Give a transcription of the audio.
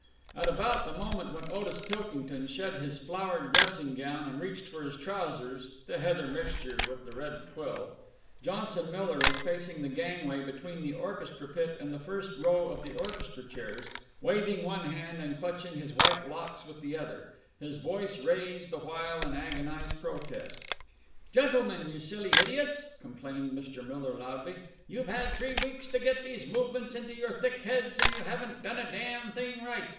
At about the moment when Otis Pilkington shed his flowered dressing gown and reached for his trousers (the heather mixture with the red twill), Johnson Miller was pacing the gangway between the orchestra pit and the first row of the orchestra chairs, waving one hand and clutching his white locks with the other, his voice raised the while in agonized protest. "Gentlemen, you silly idiots," complained Mr. Miller loudly, "you've had three weeks to get these movements into your thick heads, and you haven't done a damn thing right!